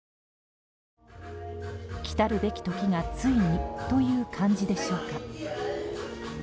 来たるべき時がついにという感じでしょうか。